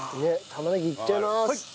玉ねぎいっちゃいます。